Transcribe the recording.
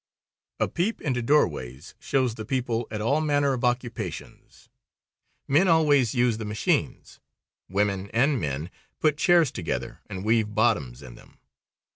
A peep into doorways shows the people at all manner of occupations. Men always use the machines. Women and men put chairs together and weave bottoms in them.